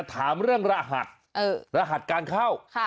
ถามเรื่องรหัสรหัสการเข้า